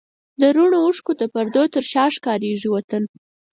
د رڼو اوښکو د پردو تر شا ښکارېږي وطن